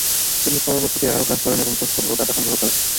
তিনি পরবর্তিতে আরও কাজ করেন এবং তথ্য ও ডাটা সংগ্রহ করেন।